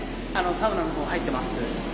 サウナの方入ってます。